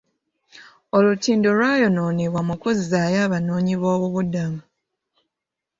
Olutindo lwayonoonebwa mu kuzzaayo abanoonyiboobubudamu.